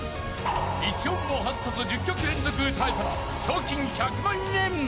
一音も外さず１０曲連続で歌えたら賞金１００万円。